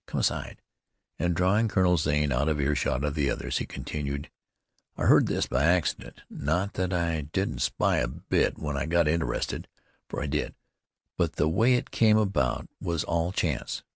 Come aside," and drawing Colonel Zane out of earshot of the others, he continued, "I heard this by accident, not that I didn't spy a bit when I got interested, for I did; but the way it came about was all chance.